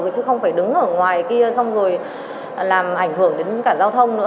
chứ không phải đứng ở ngoài kia xong rồi làm ảnh hưởng đến cả giao thông nữa